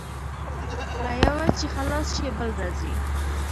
له یوه چې خلاص شې، بل راځي.